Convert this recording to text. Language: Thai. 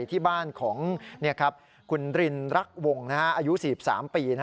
ที่บ้านของคุณรินรักวงอายุ๔๓ปี